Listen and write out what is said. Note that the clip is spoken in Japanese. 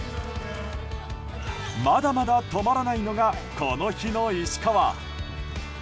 まだまだ止まらないのがこの日の石川。